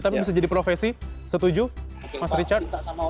tapi bisa jadi profesi setuju mas richard